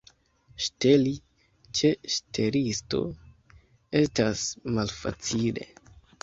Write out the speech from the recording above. Ŝteli ĉe ŝtelisto estas malfacile.